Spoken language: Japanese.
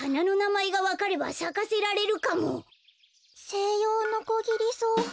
セイヨウノコギリソウ。